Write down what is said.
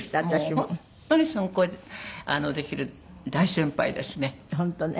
もう本当に尊敬できる大先輩ですね。